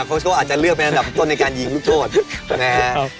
โซ่อาจจะเลือกเป็นอันดับต้นในการยิงลูกโทษนะฮะ